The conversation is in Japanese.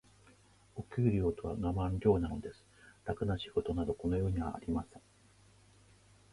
お給料とはガマン料なのです。楽な仕事など、この世にはありません。